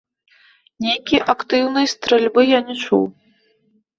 Нейкі актыўнай стральбы я не чуў.